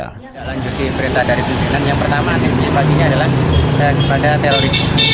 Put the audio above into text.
kita lanjutin perintah dari pimpinan yang pertama antisipasinya adalah terorisme